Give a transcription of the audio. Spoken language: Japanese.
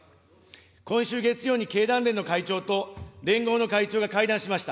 今週月曜に経団連の会長と、連合の会長が会談しました。